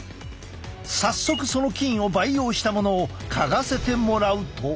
早速その菌を培養したものを嗅がせてもらうと。